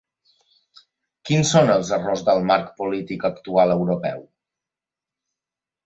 Quins són els errors del marc polític actual europeu?